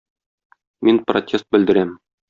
Мин протест белдерәм!